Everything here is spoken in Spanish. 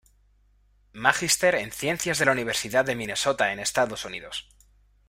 Magister en Ciencias de la Universidad de Minnesota en Estados Unidos.